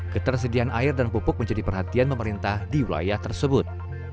ketersediaan air dan pupuk menjadi perhatian pemerintah di wilayah tersebut